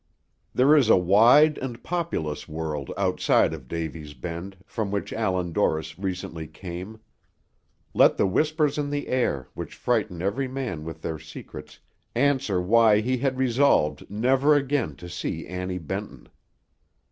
There is a wide and populous world outside of Davy's Bend, from which Allan Dorris recently came; let the whispers in the air, which frighten every man with their secrets, answer why he had resolved never again to see Annie Benton.